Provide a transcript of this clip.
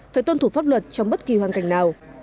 phải tuân thủ pháp luật trong bất kỳ hoàn cảnh nào